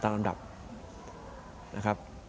ตามลำดับ